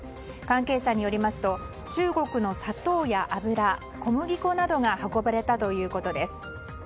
関係者によりますと中国の砂糖や油、小麦粉などが運ばれたということです。